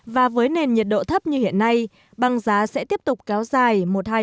và với nền nhiệt độ thấp như hiện nay băng giá sẽ tiếp tục kéo dài